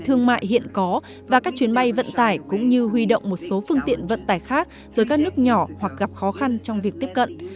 thương mại hiện có và các chuyến bay vận tải cũng như huy động một số phương tiện vận tải khác tới các nước nhỏ hoặc gặp khó khăn trong việc tiếp cận